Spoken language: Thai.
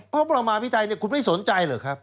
พระอบราพิไทยเนี่ยคุณไม่สนใจเหรอครับ